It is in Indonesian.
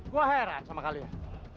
gue heran sama kalian